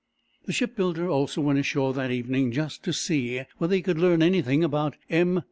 The shipbuilder also went ashore that evening, just to see whether he could learn anything about M.